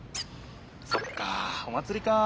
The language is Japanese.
そっかお祭りか。